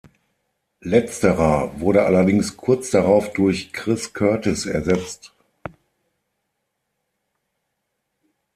Letzterer wurde allerdings kurz darauf durch Chris Curtis ersetzt.